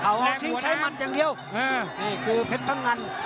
เอาทิ้งใช้มันอย่างเดียวนี่คือเพชรพังงัน